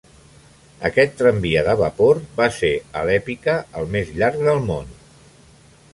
Aquest tramvia de vapor va ser, a l'èpica, el més llarg del món.